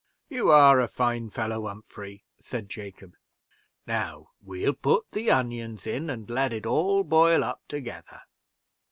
"You are a fine fellow, Humphrey," said Jacob. "Now we'll put the onions in, and let it all boil up together.